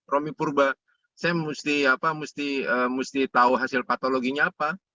romi purba saya mesti tahu hasil patologinya apa